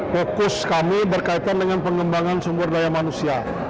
fokus kami berkaitan dengan pengembangan sumber daya manusia